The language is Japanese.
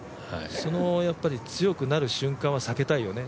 その強くなる瞬間は避けたいよね。